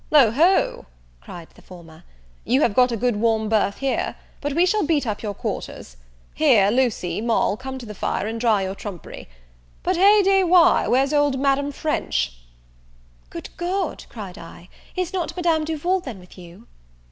"O ho!" cried the former, "you have got a good warm berth here; but we shall beat up your quarters. Here, Lucy, Moll, come to the fire, and dry your trumpery. But, hey day why, where's old Madame French?" "Good God," cried I, "is not Madame Duval then with you?"